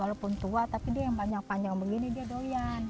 walaupun tua tapi dia yang panjang panjang begini dia doyan